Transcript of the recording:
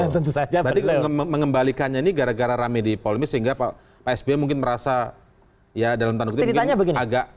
berarti mengembalikannya ini gara gara rame di polandia sehingga pak s b mungkin merasa ya dalam tanggung jawab agak melalui misalnya